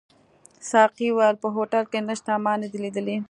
ساقي وویل: په هوټل کي نشته، ما نه دي لیدلي.